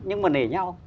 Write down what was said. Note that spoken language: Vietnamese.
nhưng mà nể nhau